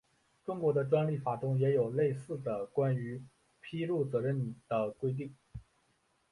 中国的专利法中也有类似的关于披露责任的规定。